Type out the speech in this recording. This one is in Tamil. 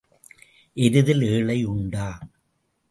எருதில் ஏழை உண்டா?